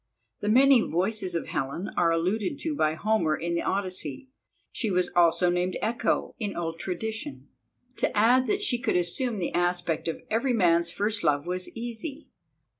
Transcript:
The many voices of Helen are alluded to by Homer in the Odyssey: she was also named Echo, in old tradition. To add that she could assume the aspect of every man's first love was easy.